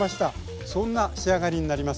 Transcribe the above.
そんな仕上がりになります。